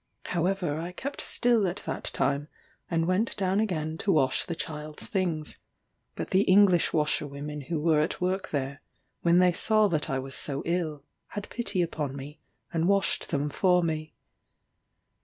However I kept still at that time, and went down again to wash the child's things; but the English washerwomen who were at work there, when they saw that I was so ill, had pity upon me and washed them for me.